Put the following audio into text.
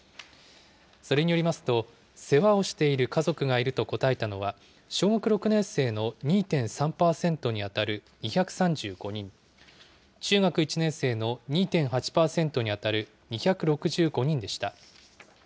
それによりますと、世話をしている家族がいると答えたのは、小学６年生の２．３％に当たる２３５人、中学１年生の２．８％に当たる２６５人でした。